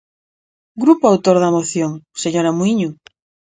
Grupo autor da moción, señora Muíño.